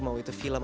mau itu film